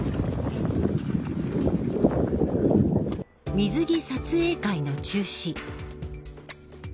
水着撮影会の中止。